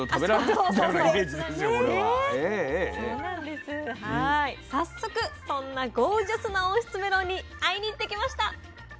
早速そんなゴージャスな温室メロンに会いに行ってきました。